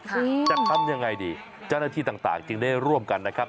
จะทำยังไงดีเจ้าหน้าที่ต่างจึงได้ร่วมกันนะครับ